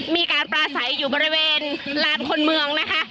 มีการปลาใสอยู่บริเวณลานคนเมืองนะคะ